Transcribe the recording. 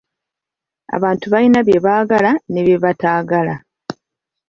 Abantu balina bye baagala ne bye bataagala.